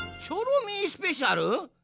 チョロミースペシャル？